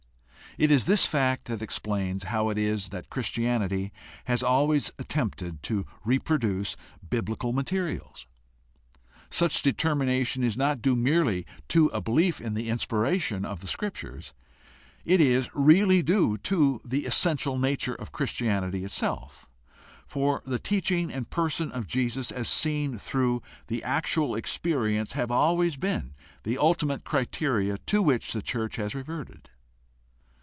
It is this fact that explains how it is that Christianity has always attempted to reproduce biblical materials. Such determination is not due merely to a belief in the inspiration of the Scriptures; it is really due to the essential nature of Christianity itself, for the teaching and person of Jesus as seen through actual experience have always been the ultimate criteria to which the church has reverted.